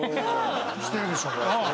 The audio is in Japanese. してるでしょ。